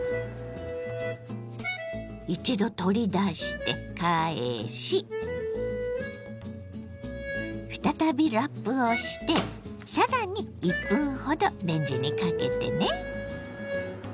一度取り出して返し再びラップをして更に１分ほどレンジにかけてね。